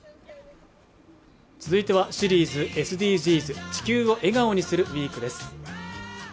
続いてはシリーズ「ＳＤＧｓ」「地球を笑顔にするＷＥＥＫ」です